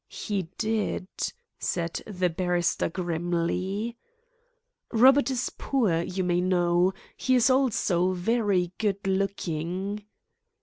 "He did," said the barrister grimly. "Robert is poor, you may know. He is also very good looking."